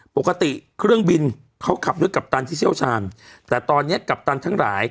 ปกติเครื่องบินเขาขับด้วยกัปตันที่เชี่ยวชาญแต่ตอนนี้กัปตันทั้งหลาย